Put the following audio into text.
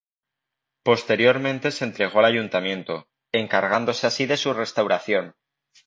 Posteriormente se entregó al ayuntamiento, encargándose así de su restauración.